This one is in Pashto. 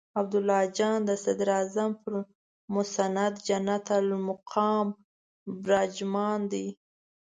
عبدالله جان د صدراعظم پر مسند جنت المقام براجمان دی.